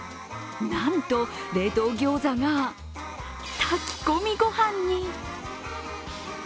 なんと冷凍ギョーザが炊き込みごはんに。